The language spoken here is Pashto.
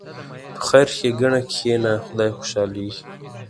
په خیر ښېګڼه کښېنه، خدای خوشحالېږي.